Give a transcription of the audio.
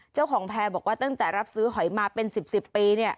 เจ้าของแพร่บอกว่าตั้งแต่รับซื้อหอยมาเป็นสิบสิบปีเนี่ย